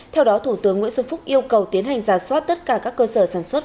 theo đó thủ tướng nguyễn xuân phúc yêu cầu tiến hành giả soát tất cả các cơ sở sản xuất